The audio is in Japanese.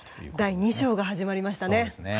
第２章が始まりましたね。